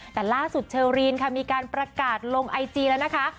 แต่ล่าสุดเชอรีนค่ะมีการประกาศลงไอจีแล้วนะคะ